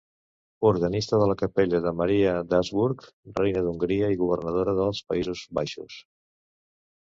Organista de la capella de Maria d'Habsburg, reina d'Hongria i governadora dels Països Baixos.